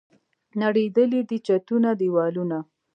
نړېدلي دي چتونه، دیوالونه